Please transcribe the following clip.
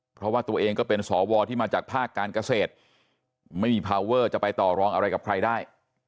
เพราะว่าตัวเองก็เป็นสวที่มาจากภาคการเกษตรไม่มีพาวเวอร์จะไปต่อรองอะไรกับใครได้